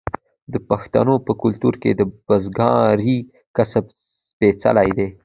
د پښتنو په کلتور کې د بزګرۍ کسب سپیڅلی دی.